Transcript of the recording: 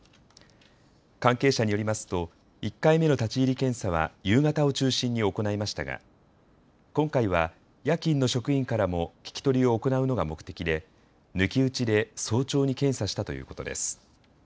関係者によりますと１回目の立ち入り検査は夕方を中心に行いましたが今回は夜勤の職員からも聞き取りを行うのが目的で抜き打ちで早朝に検査したということです。